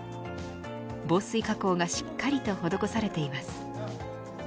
防水加工がしっかりと施されています。